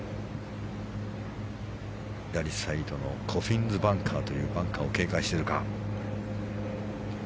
左サイドのコフィンズバンカーというバンカーを警戒してるか。